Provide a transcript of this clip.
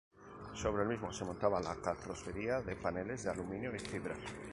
Sobre el mismo se montaba la carrocería de paneles de aluminio y fibra.